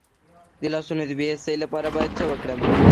د لاسونو د بې حسی لپاره باید څه وکړم؟